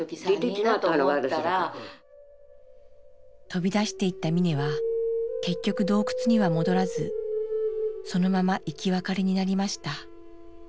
飛び出していったミネは結局洞窟には戻らずそのまま生き別れになりました。